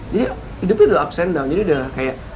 jadi hidupnya udah upside down jadi udah kayak